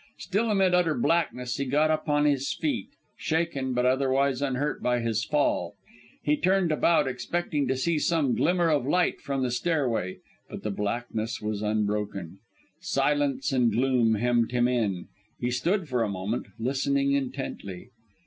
Still amid utter blackness, he got upon his feet, shaken but otherwise unhurt by his fall. He turned about, expecting to see some glimmer of light from the stairway, but the blackness was unbroken. Silence and gloom hemmed him in. He stood for a moment, listening intently.